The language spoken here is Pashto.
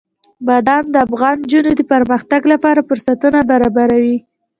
بادام د افغان نجونو د پرمختګ لپاره فرصتونه برابروي.